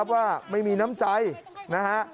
ว่าไม่มีน้ำใจนะฮะ